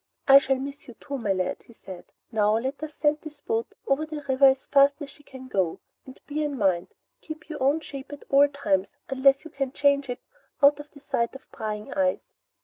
"I shall miss you too, my lad," he said. "Now, let us send this boat over the river as fast as she can go. And bear in mind keep your own shape at all times unless you can change it out of sight of prying eyes."